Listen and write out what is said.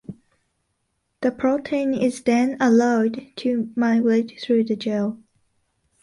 The protein is then allowed to migrate through the gel.